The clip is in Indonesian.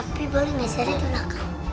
tapi boleh nggak zara di belakang